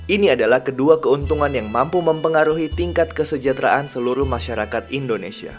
ini adalah kedua keuntungan yang mampu mempengaruhi tingkat kesejahteraan seluruh masyarakat indonesia